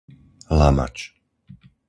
Lamač